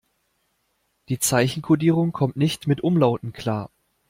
Die Zeichenkodierung kommt nicht mit Umlauten klar.